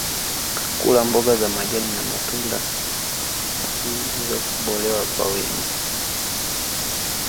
Kula mboga za majani na matunda na nafaka zisizokobolewa kwa wingi